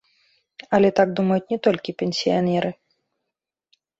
Але так думаюць не толькі пенсіянеры.